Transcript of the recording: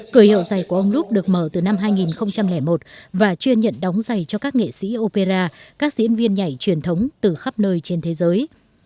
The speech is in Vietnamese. cửa hiệu giày của ông lup được mở từ năm hai nghìn một và chuyên nhận đóng giày cho các nghệ sĩ opera các diễn viên nhảy truyền thống từ khắp nơi trên thế giới